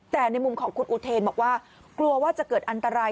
แต่ในมุมของคุณอุเทนบอกว่ากลัวว่าจะเกิดอันตราย